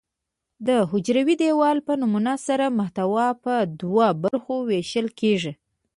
د حجروي دیوال په نمو سره محتوا په دوه برخو ویشل کیږي.